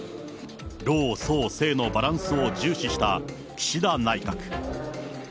老壮青のバランスを重視した岸田内閣。